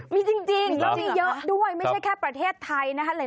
มีจริงแล้วมีเยอะด้วยไม่ใช่แค่ประเทศไทยนะคะ